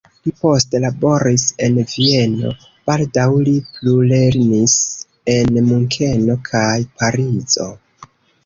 Li poste laboris en Vieno, baldaŭ li plulernis en Munkeno kaj Parizo.